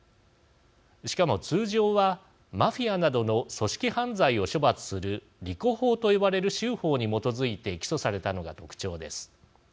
しかも、通常はマフィアなどの組織犯罪を処罰するＲＩＣＯ法と呼ばれる州法に基づいて起訴されたのが特徴です。